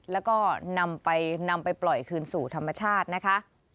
แล้วก็นำไปนำไปปล่อยคืนสู่ธรรมชาตินะคะ